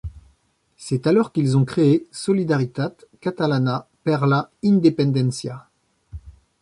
C'est alors qu'ils ont créé Solidaritat Catalana per la Independència.